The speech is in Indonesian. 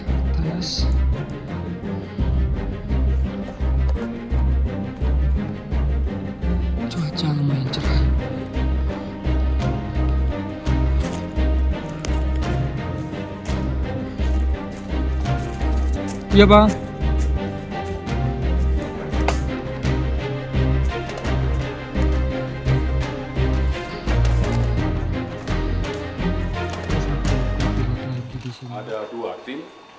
ada dua tim